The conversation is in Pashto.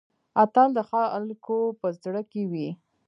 اتل د خلکو په زړه کې وي؟